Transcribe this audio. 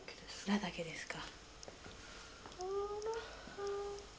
ラだけですか。